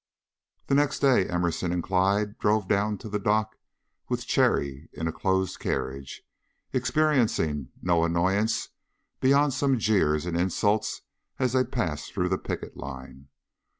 The next day Emerson and Clyde drove down to the dock with Cherry in a closed carriage, experiencing no annoyance beyond some jeers and insults as they passed through the picket line.